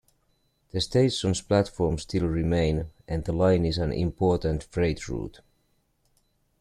The station's platforms still remain and the line is an important freight route.